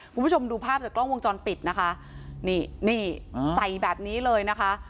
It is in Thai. คุณผู้ชมดูภาพจากกล้องวงจรปิดนะคะนี่นี่ใส่แบบนี้เลยนะคะ